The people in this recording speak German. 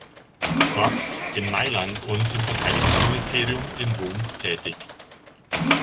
Korps in Mailand und im Verteidigungsministerium in Rom tätig.